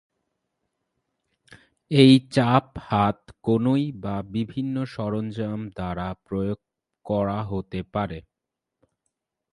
এই চাপ হাত, কনুই বা বিভিন্ন সরঞ্জাম দ্বারা প্রয়োগ করা হতে পারে।